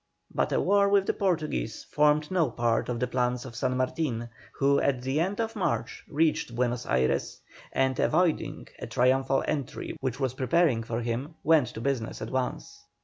But a war with the Portuguese formed no part of the plans of San Martin, who, at the end of March, reached Buenos Ayres, and avoiding a triumphal entry, which was preparing for him, went to business at once.